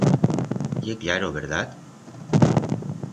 Ye claro, verdat?